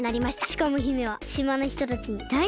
しかも姫はしまのひとたちにだいにんきなんです！